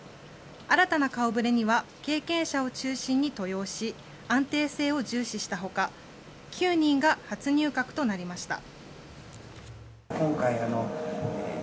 新たな顔触れには経験者を中心に登用し安定性を重視したほか９人が初入閣となりました。